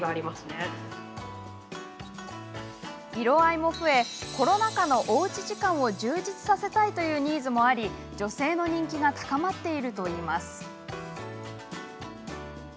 色合いも増えコロナ禍のおうち時間を充実させたいというニーズもあり女性の人気が高まっているといいます。